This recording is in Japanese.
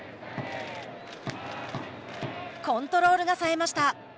コントロールがさえました。